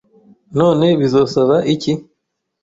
None bizosaba iki?